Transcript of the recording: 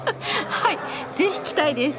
はいぜひ来たいです。